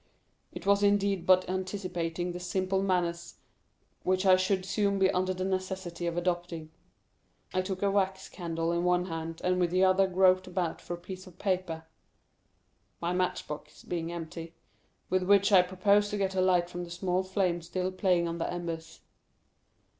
It was indeed but anticipating the simple manners which I should soon be under the necessity of adopting. I took a wax candle in one hand, and with the other groped about for a piece of paper (my match box being empty), with which I proposed to get a light from the small flame still playing on the embers.